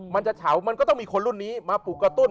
มันจะเฉามันก็ต้องมีคนรุ่นนี้มาปลุกกระตุ้น